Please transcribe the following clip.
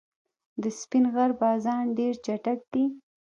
د سپین غر بازان ډېر چټک دي.